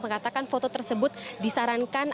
mengatakan foto tersebut disarankan